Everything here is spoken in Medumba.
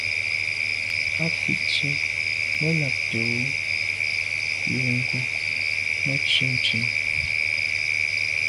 A fi tsə. Mə lὰbtə̌ Wʉ̌ yò ghò Mə tswə ntʉ̀n.